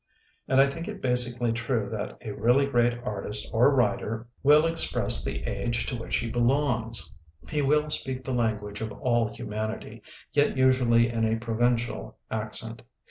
And I think it basically true that a really great artist, or writer, will ex press the age to which he belongs. He will speak the language of all human ity, yet usually in a provincial accent.